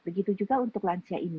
begitu juga untuk lansia ini